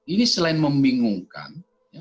ini selain membingungkan